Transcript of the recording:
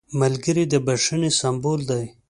ملګری د بښنې سمبول دی